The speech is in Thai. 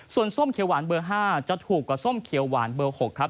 ส่วนส้มเขียวหวานเบอร์๕จะถูกกว่าส้มเขียวหวานเบอร์๖ครับ